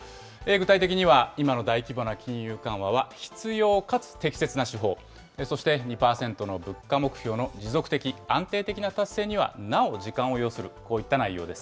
具体的には、今の大規模な金融緩和は必要かつ適切な手法、そして２％の物価目標の持続的、安定的な達成にはなお時間を要する、こういった内容です。